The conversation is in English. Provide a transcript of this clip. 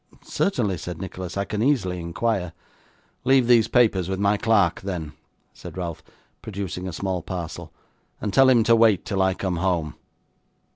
'Certainly,' said Nicholas. 'I can easily inquire.' 'Leave these papers with my clerk, then,' said Ralph, producing a small parcel, 'and tell him to wait till I come home.